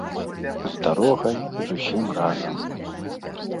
З дарогай, з усім разам.